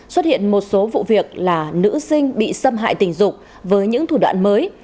xuất hiện một số vụ việc là nữ sinh bị xâm hại tình dục với những thủ đoạn mới